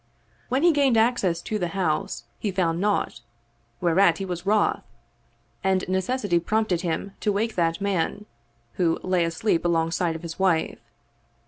When he gained access to the house, he found naught, whereat he was wroth, and necessity prompted him to wake that man, who lay asleep alongside of his wife.